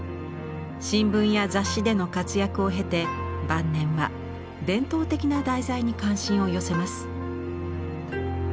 新聞や雑誌での活躍を経て晩年は伝統的な題材に関心を寄せます。